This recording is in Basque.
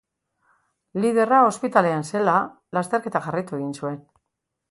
Liderra ospitalean zela, lasterketak jarraitu egin zuen.